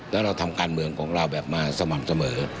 แล้วเราทำการเมืองของเราแบบมาสม่ำเสมอ